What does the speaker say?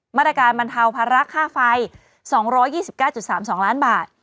บรรเทาภาระค่าไฟ๒๒๙๓๒ล้านบาท